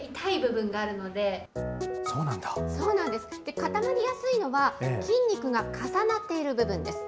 固まりやすいのは、筋肉が重なっている部分です。